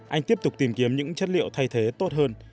anh tiếp tục tìm kiếm những chất liệu thay thế tốt hơn